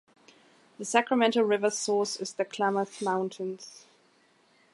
The Sacramento River's source is the Klamath Mountains.